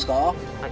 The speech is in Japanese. はい。